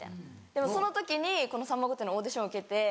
でもその時にこの『さんま御殿‼』のオーディション受けて。